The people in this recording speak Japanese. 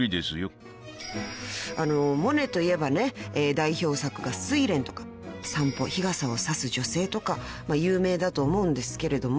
代表作が『睡蓮』とか『散歩、日傘をさす女性』とか有名だと思うんですけれども］